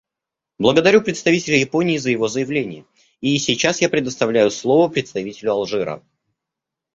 Благодарю представителя Японии за его заявление, и сейчас я предоставляю слово представителю Алжира.